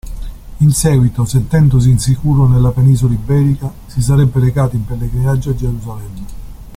In seguito, sentendosi insicuro nella Penisola Iberica, si sarebbe recato in pellegrinaggio a Gerusalemme.